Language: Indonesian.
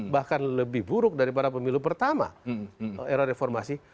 bahkan lebih buruk daripada pemilu pertama era reformasi